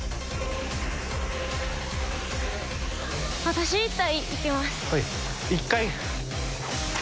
私１体いきます。